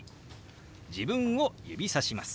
自分を指さします。